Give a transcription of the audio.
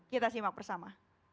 kita simak bersama